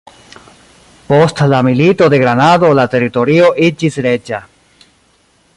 Post la Milito de Granado la teritorio iĝis reĝa.